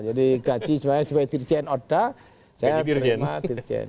jadi gaji sebagai dirjen oda saya terima dirjen